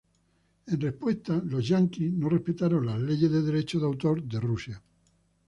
En respuesta, los norteamericanos no respetaron las leyes de derechos de autor de Rusia.